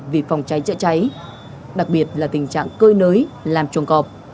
vì phòng cháy chữa cháy đặc biệt là tình trạng cơi nới làm chuồng cọp